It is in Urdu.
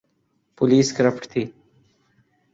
پولیس کرپٹ تھی۔